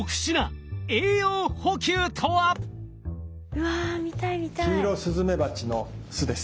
うわ見たい見たい。